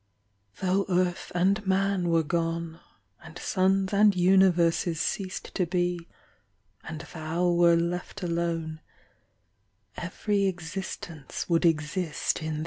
Though earth and man were gone, And suns and universes ceased to be, And Thou were left alone, Every existence would exist in Thee.